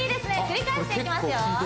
繰り返していきますよ